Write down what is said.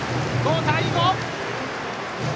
５対５！